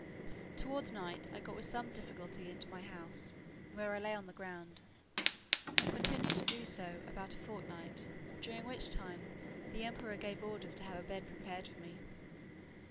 Towards night I got with some difficulty into my house, where I lay on the ground, and continued to do so about a fortnight; during which time, the emperor gave orders to have a bed prepared for me.